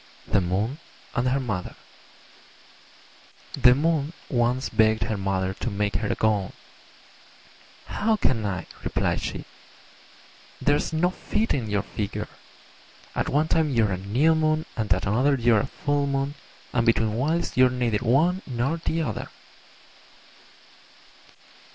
THE MOON AND HER MOTHER The Moon once begged her Mother to make her a gown. "How can I?" replied she; "there's no fitting your figure. At one time you're a New Moon, and at another you're a Full Moon; and between whiles you're neither one nor the other."